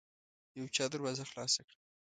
يو چا دروازه خلاصه کړه.